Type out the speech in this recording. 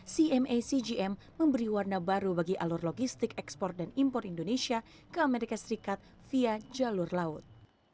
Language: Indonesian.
cma cgm memberi warna baru bagi alur logistik ekspor dan impor indonesia ke amerika serikat via jalur laut